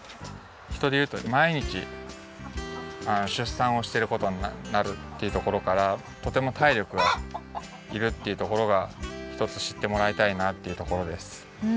ひとでいうとまいにちしゅっさんをしてることになるっていうところからとてもたいりょくがいるっていうところがひとつしってもらいたいなっていうところです。